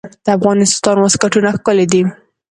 د افغانستان واسکټونه ښکلي دي